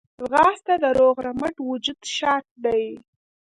ځغاسته د روغ رمټ وجود شرط دی